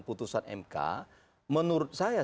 putusan mk menurut saya